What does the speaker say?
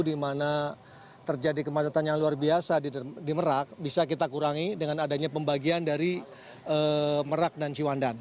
di mana terjadi kemacetan yang luar biasa di merak bisa kita kurangi dengan adanya pembagian dari merak dan ciwandan